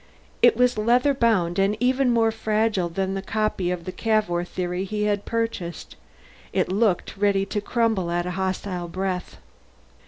It was leather bound and even more fragile than the copy of The Cavour Theory he had purchased; it looked ready to crumble at a hostile breath.